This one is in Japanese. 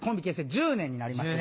１０年になりました。